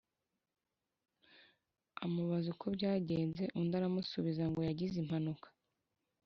amubaza uko byagenze undi aramusubiza ngo yagize impanuka